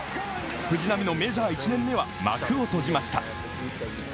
藤浪のメジャー１年目は幕を閉じました。